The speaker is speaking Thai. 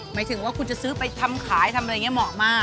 หมายถึงว่าคุณจะซื้อไปทำขายทำอะไรอย่างนี้เหมาะมาก